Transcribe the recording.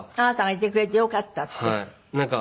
あなたがいてくれてよかったって？